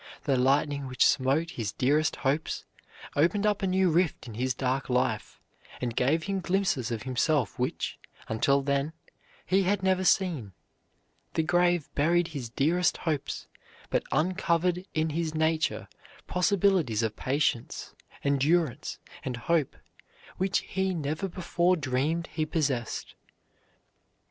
The lightning which smote his dearest hopes opened up a new rift in his dark life, and gave him glimpses of himself which, until then, he had never seen. The grave buried his dearest hopes, but uncovered in his nature possibilities of patience, endurance, and hope which he never before dreamed he possessed.